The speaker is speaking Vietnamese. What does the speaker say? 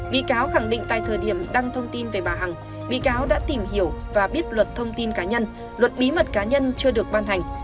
bị cáo khẳng định tại thời điểm đăng thông tin về bà hằng bị cáo đã tìm hiểu và biết luật thông tin cá nhân luật bí mật cá nhân chưa được ban hành